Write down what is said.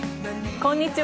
こんにちは。